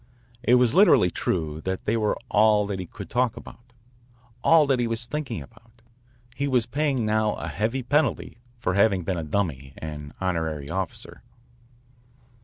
It was literally true that they were all that he could talk about, all that he was thinking about. He was paying now a heavy penalty for having been a dummy and honorary officer.